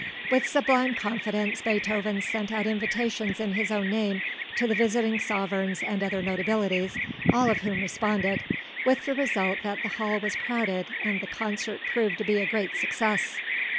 With sublime confidence Beethoven sent out invitations in his own name to the visiting sovereigns and other notabilities, all of whom responded, with the result that the hall was crowded and the concert proved to be a great success.